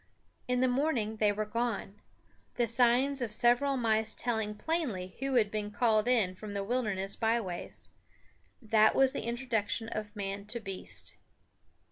In the morning they were gone, the signs of several mice telling plainly who had been called in from the wilderness byways. That was the introduction of man to beast.